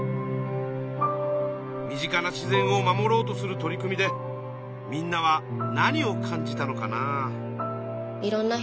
身近な自然を守ろうとする取り組みでみんなは何を感じたのかな？